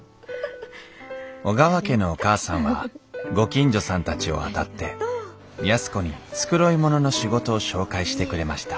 小川家のお母さんはご近所さんたちを当たって安子に繕い物の仕事を紹介してくれました